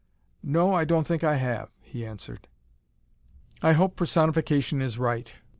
"No, I don't think I have," he answered. "I hope personification is right.